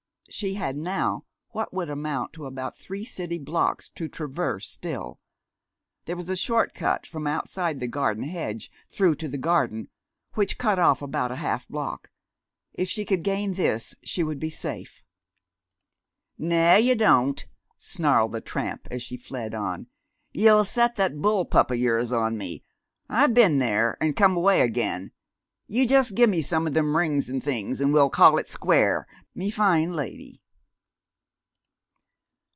She had now what would amount to about three city blocks to traverse still. There was a short way from outside the garden hedge through to the garden, which cut off about a half block. If she could gain this she would be safe. "Naw, yeh don't," snarled the tramp, as she fled on. "Ye'll set that bull pup o' yours on me. I been there, an' come away again. You just gimme some o' them rings an' things an' we'll call it square, me fine lady!"